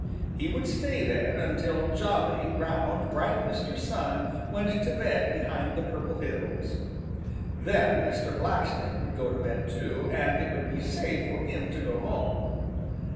He would stay there until jolly, round, bright Mr. Sun went to bed behind the Purple Hills. Then Mr. Blacksnake would go to bed too, and it would be safe for him to go home.